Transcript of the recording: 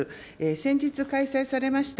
先日開催されました